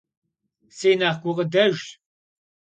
Se nexh gukhıdejjş.